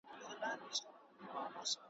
زه له عزراییل څخه سل ځله تښتېدلی یم ,